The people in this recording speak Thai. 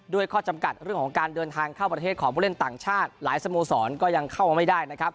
ข้อจำกัดเรื่องของการเดินทางเข้าประเทศของผู้เล่นต่างชาติหลายสโมสรก็ยังเข้ามาไม่ได้นะครับ